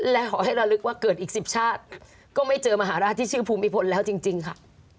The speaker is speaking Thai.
แล้วขอให้ระลึกว่าเกิดอีก๑๐ชาติก็ไม่เจอมหาราชที่ชื่อภูมิพลแล้วจริงค่ะ